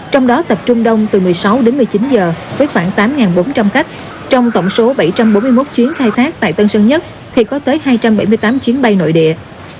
trong đó tập trung đông từ một mươi sáu đến một mươi chín giờ với khoảng tám bốn trăm linh khách trong tổng số bảy trăm bốn mươi một chuyến khai thác tại tân sơn nhất thì có tới hai trăm bảy mươi tám chuyến bay nội địa